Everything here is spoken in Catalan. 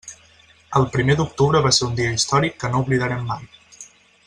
El primer d'octubre va ser un dia històric que no oblidarem mai.